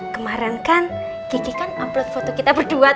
kemaren kan gigi kan upload foto kita berdua